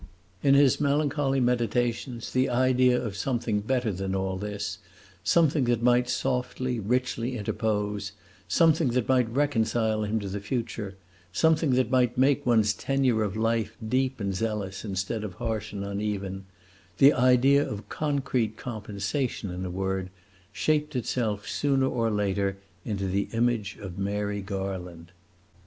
In his melancholy meditations the idea of something better than all this, something that might softly, richly interpose, something that might reconcile him to the future, something that might make one's tenure of life deep and zealous instead of harsh and uneven the idea of concrete compensation, in a word shaped itself sooner or later into the image of Mary Garland.